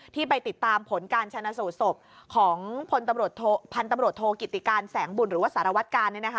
ที่ไปติดตามผลการชนะสูตรศพของพันธุ์ตำรวจโทกิติการแสงบุญหรือว่าสารวัตกาล